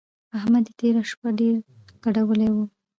احمد يې تېره شپه ډېر ګډولی وو.